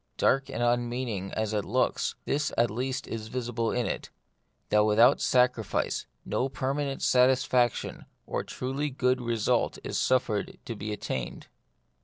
Dark and unmeaning as it looks, this at least is visible in it, that without sacrifice no permanent satisfaction or truly good result is suffered to be attained.